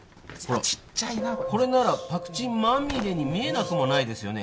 ちっちゃいなこれならパクチーマミレに見えなくもないですよね